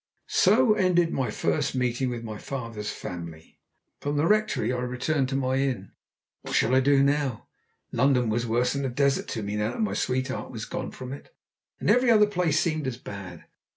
So ended my first meeting with my father's family. From the rectory I returned to my inn. What should I do now? London was worse than a desert to me now that my sweetheart was gone from it, and every other place seemed as bad.